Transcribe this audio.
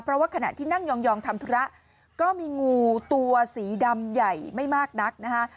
เพราะว่าขณะที่นั่งยองทำธุระก็มีงูตัวสีดำใหญ่ไม่มากนักนะคะ